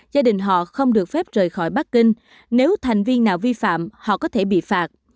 gia đình họ không được phép rời khỏi bắc kinh nếu thành viên nào vi phạm họ có thể bị phạt